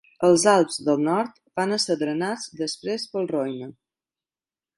Els Alps del nord van ésser drenats després pel Roine.